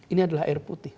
ini air putih